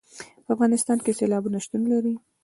په افغانستان کې سیلابونه شتون لري.